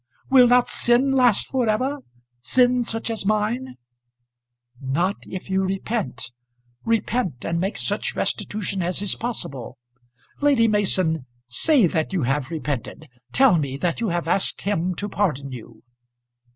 "Will not sin last for ever; sin such as mine?" "Not if you repent; repent and make such restitution as is possible. Lady Mason, say that you have repented. Tell me that you have asked Him to pardon you!"